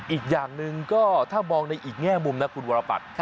อีกอย่างหนึ่งก็ถ้ามองในอีกแง่มุมนะคุณวรปัตร